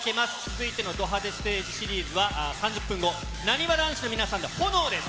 続いてのド派手ステージシリーズは３０分後、なにわ男子の皆さんで炎です。